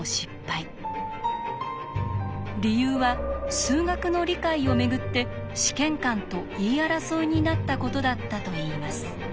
理由は数学の理解をめぐって試験官と言い争いになったことだったといいます。